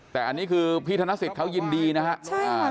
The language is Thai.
แต่อันนี้คือพี่ธนสิทธิ์เขายินดีนะครับ